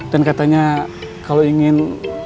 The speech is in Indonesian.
dan katanya kalau ingin